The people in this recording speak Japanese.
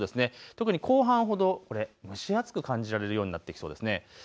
特に後半ほど蒸し暑く感じられるようになってきそうです。